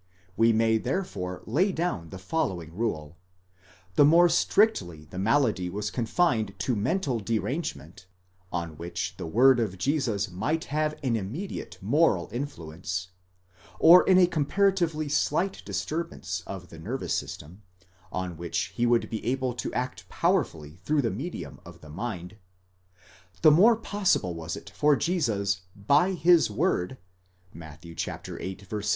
We may therefore lay down the following rule : the more strictly the malady was confined to mental derange ment, on which the word of Jesus might have an immediate moral influence, or in a comparatively slight disturbance of the nervous system, on which he would be able to act powerfully through the medium of the mind, the more possible was it for Jesus dy Ais word λόγῳ (Matt viii.